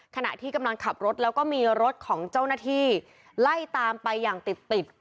ขณะที่กำลังขับรถแล้วก็มีรถของเจ้าหน้าที่ไล่ตามไปอย่างติดติด